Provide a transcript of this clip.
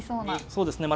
そうですね。